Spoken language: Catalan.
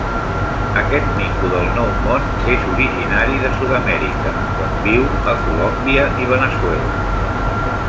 Aquest mico del Nou Món és originari de Sud-amèrica, on viu a Colòmbia i Veneçuela.